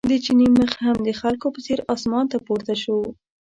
د چیني مخ هم د خلکو په څېر اسمان ته پورته و.